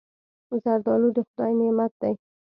زردالو د خدای نعمت دی.